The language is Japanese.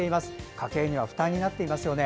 家計には負担になっていますね。